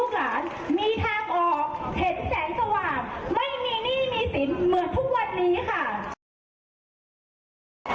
ไทย